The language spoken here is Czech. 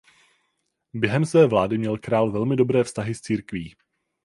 Během své vlády měl král velmi dobré vztahy s církví.